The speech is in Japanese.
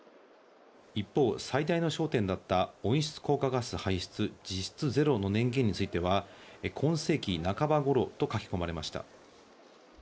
一方、最大の焦点だった温室効果ガス排出実質ゼロの年限については、今世紀半ばごろと書き込まれました。